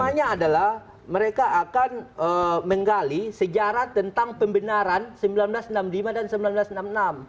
pertanyaannya adalah mereka akan menggali sejarah tentang pembenaran seribu sembilan ratus enam puluh lima dan seribu sembilan ratus enam puluh enam